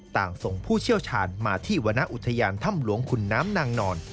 ส่งผู้เชี่ยวชาญมาที่วรรณอุทยานถ้ำหลวงขุนน้ำนางนอน